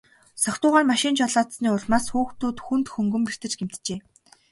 Согтуугаар машин жолоодсоны улмаас хүүхдүүд хүнд хөнгөн бэртэж гэмтжээ.